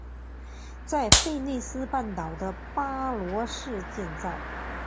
在弗内斯半岛的巴罗市建造。